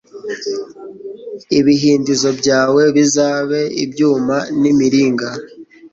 ibihindizo byawe bizabe ibyuma n'imiringa